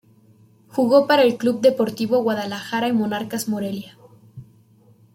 Jugó para el Club Deportivo Guadalajara y Monarcas Morelia.